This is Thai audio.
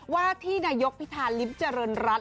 ว่าที่นายกพิธาลิ้มเจริญรัฐ